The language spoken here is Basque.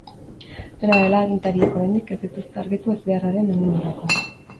Dena dela, agintariek oraindik ez dituzte argitu ezbeharraren nondik norakoak.